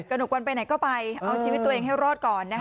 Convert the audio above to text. หนกวันไปไหนก็ไปเอาชีวิตตัวเองให้รอดก่อนนะคะ